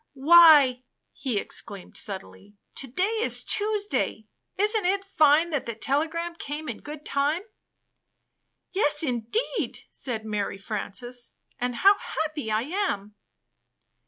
"Why!" he exclaimed suddenly, "to day is Tues day! Isn't it fine that the telegram came in good time!" "Yes, indeed!" said Mary Frances. "And how happy I am."